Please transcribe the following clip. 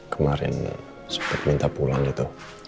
kemarin sempat minta pulang itu